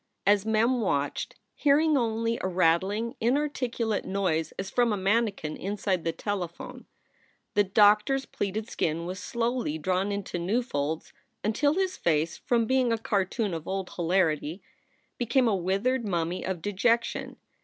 As Mem watched, hearing only a rattling, inarticulate noise as from a manikin inside the telephone, the doctor s pleated skin was slowly drawn into new folds until his face, from being a cartoon of old hilarity, became a withered mummy of dejection.